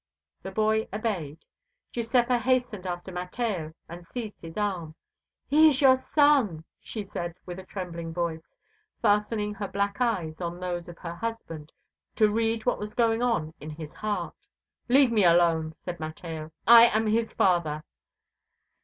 The boy obeyed. Giuseppa hastened after Mateo and seized his arm. "He is your son," said she with a trembling voice, fastening her black eyes on those of her husband to read what was going on in his heart. "Leave me alone," said Mateo, "I am his father."